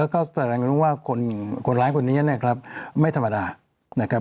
ก็แสดงรู้ว่าคนร้ายคนนี้นะครับไม่ธรรมดานะครับ